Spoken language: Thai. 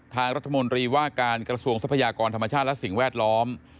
ทางรัฐมนตรีว่าการกระทรวงทรัพยากรธรรมชาติและสิ่งแวดล้อม